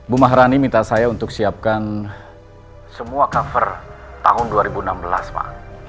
bu mahrani minta saya untuk siapkan semua cover tahun dua ribu enam belas pak